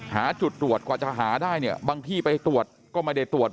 หาจุดตรวจกว่าจะหาได้เนี่ยบางที่ไปตรวจก็ไม่ได้ตรวจ